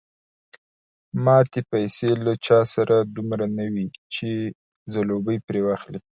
ماتې پیسې له چا سره دومره نه وې چې ځلوبۍ پرې واخلي.